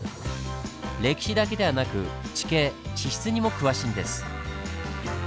歴史だけではなく地形地質にも詳しいんです。